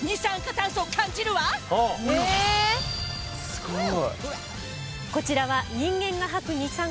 すごい！